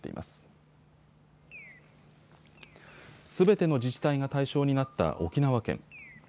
すべての自治体が対象になった沖縄県。